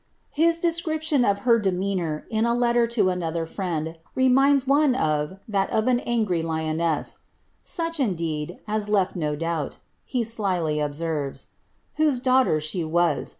His description of her demean Dor, in a letter to another friend, reminds one of that of an angry lion BK) ^ such, indeed, as left no doubt,'' he slily observes, <^ whose daughter ihe was.